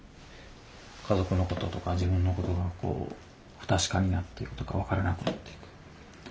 家族のこととか自分のことがこう不確かになっていくというか分からなくなっていく。